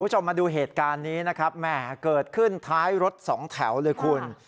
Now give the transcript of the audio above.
คุณผู้ชมมาดูเหตุการณ์นี้นะครับแหมเกิดขึ้นท้ายรถสองแถวเลยคุณ